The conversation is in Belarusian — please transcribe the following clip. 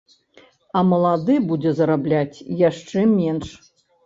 А малады будзе зарабляць яшчэ менш.